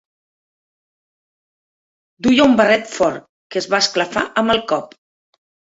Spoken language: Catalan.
Duia un barret fort, que es va esclafar amb el cop.